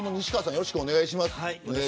よろしくお願いします。